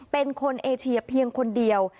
เป็นคนเอเชียเพียงคนเดียว